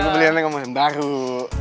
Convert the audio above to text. aku beli yang kamu mau ambil baru